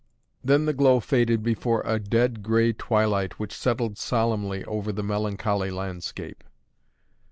Then the glow faded before a dead grey twilight, which settled solemnly over the melancholy landscape.